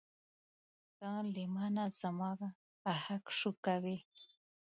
ته له مانه زما حق شوکوې.